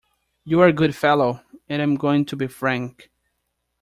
You’re a good fellow, and I’m going to be frank.